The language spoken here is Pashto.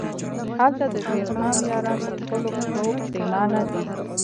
هلته د شیرعالم یاران په خپلو کړو پښیمانه دي...